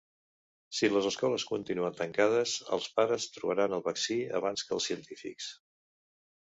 Si les escoles continuen tancades, els pares trobaran el vaccí abans que els científics.